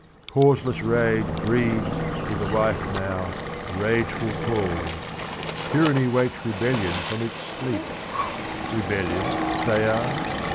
Causeless rage breeds, i' the wife now, rageful cause, Tyranny wakes rebellion from its sleep. Rebellion, say I?